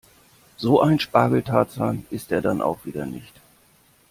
So ein Spargeltarzan ist er dann auch wieder nicht.